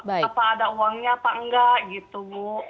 apa ada uangnya apa enggak gitu